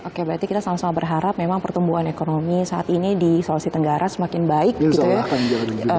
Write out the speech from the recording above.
oke berarti kita sama sama berharap memang pertumbuhan ekonomi saat ini di sulawesi tenggara semakin baik gitu ya